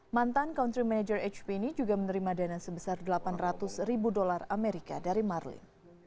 mantan country manager hp ini juga menerima dana sebesar delapan ratus ribu dolar amerika dari marlin